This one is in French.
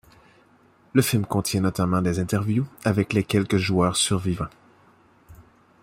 Le film contient notamment des interviews avec les quelques joueurs survivants.